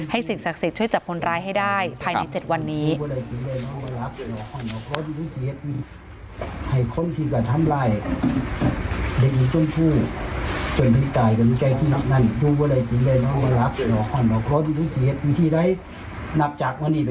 สิ่งศักดิ์สิทธิ์ช่วยจับคนร้ายให้ได้ภายใน๗วันนี้